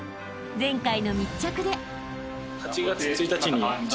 ［前回の密着で］